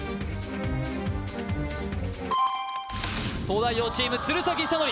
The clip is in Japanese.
東大王チーム鶴崎修功